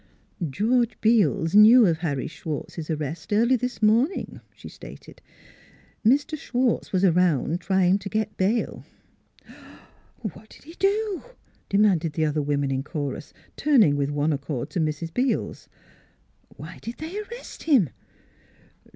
" George Beels knew of Harry Schwartz's ar rest early this morning," she stated. " Mr. Schwartz was around trying to get bail." " What 'd he do? " demanded the other women in chorus, turning with one accord to Mrs. Beels. " Why did they arrest him?